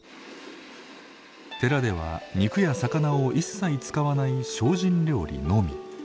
寺では肉や魚を一切使わない精進料理のみ。